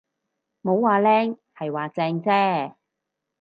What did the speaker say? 冇話靚，係話正啫